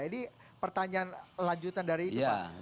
ini pertanyaan lanjutan dari itu pak